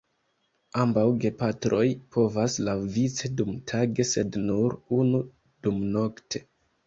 Ambaŭ gepatroj kovas laŭvice dumtage sed nur unu dumnokte.